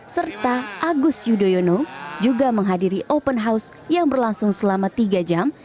serta agus yudhoyono juga menghadiri open house yang berlangsung selama tiga jam